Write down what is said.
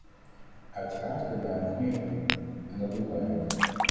Uiteraard kunnen wij nog meer doen, en dat doen wij ook.